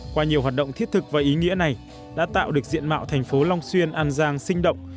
qua nhiều hoạt động thiết thực và ý nghĩa này đã tạo được diện mạo thành phố long xuyên an giang sinh động